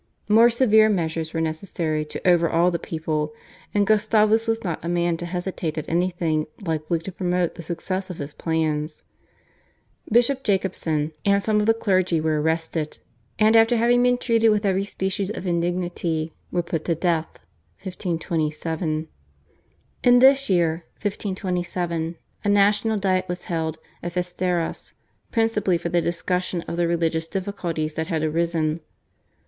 More severe measures were necessary to overawe the people, and Gustavus was not a man to hesitate at anything likely to promote the success of his plans. Bishop Jakobson and some of the clergy were arrested, and after having been treated with every species of indignity were put to death (1527). In this year, 1527, a national Diet was held at Vesteras principally for the discussion of the religious difficulties that had arisen.